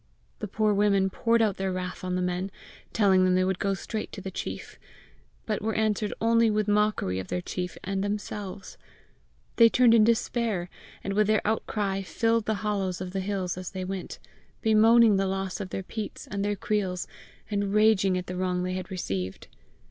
The poor women poured out their wrath on the men, telling them they would go straight to the chief, but were answered only with mockery of their chief and themselves. They turned in despair, and with their outcry filled the hollows of the hills as they went, bemoaning the loss of their peats and their creels, and raging at the wrong they had received.